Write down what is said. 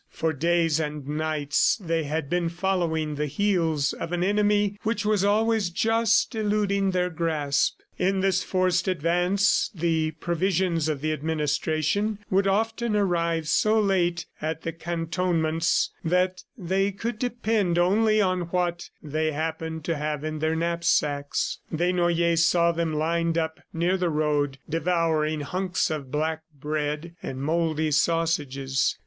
For days and nights they had been following the heels of an enemy which was always just eluding their grasp. In this forced advance the provisions of the administration would often arrive so late at the cantonments that they could depend only on what they happened to have in their knapsacks. Desnoyers saw them lined up near the road devouring hunks of black bread and mouldy sausages.